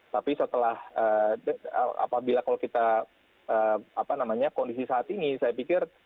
tapi setelah apabila kalau kita kondisi saat ini saya pikir